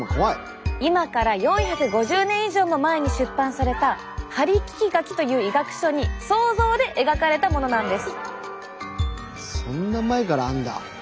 今から４５０年以上も前に出版された「針聞書」という医学書に想像で描かれたものなんです。